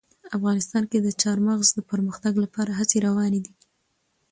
افغانستان کې د چار مغز د پرمختګ لپاره هڅې روانې دي.